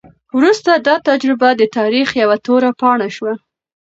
وروسته دا تجربه د تاریخ یوه توره پاڼه شوه.